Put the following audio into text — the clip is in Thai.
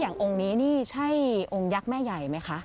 องค์นี้นี่ใช่องค์ยักษ์แม่ใหญ่ไหมคะ